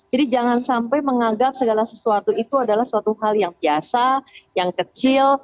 jadi jangan sampai menganggap segala sesuatu itu adalah sesuatu hal yang biasa yang kecil